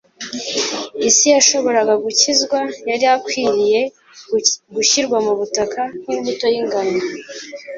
isi yashoboraga gukizwa; yari akwiriye gushyirwa mu butaka nk'imbuto y'ingano,